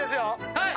はい！